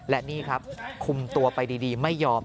และนี่ครับคุมตัวไปดีไม่ยอม